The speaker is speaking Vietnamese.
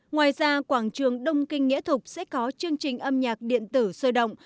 ngoài ra quảng trường đông kinh nghĩa thục sẽ có chương trình âm nhạc điện tử sơ động